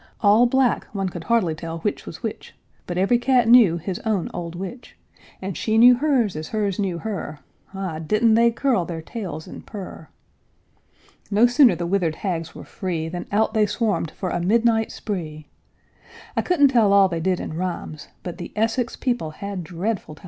All black, one could hardly tell which was which, But every cat knew his own old witch; And she knew hers as hers knew her, Ah, didn't they curl their tails and purr! No sooner the withered hags were free Than out they swarmed for a midnight spree; I couldn't tell all they did in rhymes, But the Essex people had dreadful times.